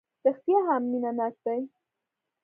رېښتیا هم مینه ناک دی.